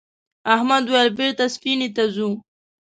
احمد وویل بېرته سفینې ته ځو.